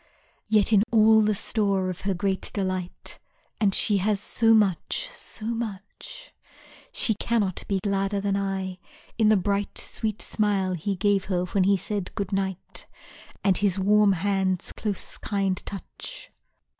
Yet in all the store of her great delight (And she has so much, so much) She cannot be gladder than I, in the bright Sweet smile he gave her when he said good night And his warm hand's close, kind touch.